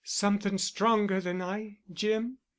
"Something stronger than I, Jim.